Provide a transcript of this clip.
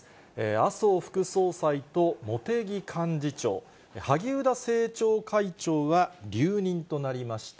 麻生副総裁と茂木幹事長、萩生田政調会長は留任となりました。